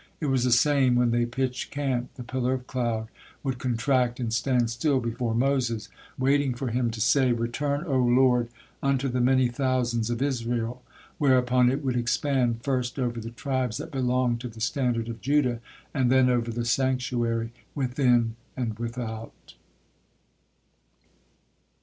It was the same when they pitched camp. The pillar of cloud would contract and stand still before Moses, waiting for him to say: "Return, O Lord, unto the many thousands of Israel," whereupon it would expand first over the tribes that belonged to the standard of Judah, and then over the sanctuary, within and without.